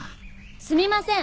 すみません！